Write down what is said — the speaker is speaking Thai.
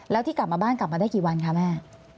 แล้วที่กลับมาบ้านกลับมาได้กี่วันคะแม่